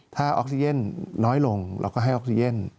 ถ้าออกซิเจนน้อยลงเราก็ให้ออกซิเจน